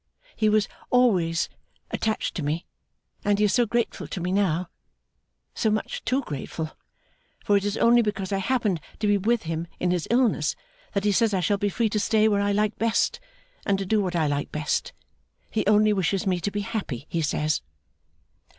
He was always attached to me, and he is so grateful to me now so much too grateful, for it is only because I happened to be with him in his illness that he says I shall be free to stay where I like best, and to do what I like best. He only wishes me to be happy, he says.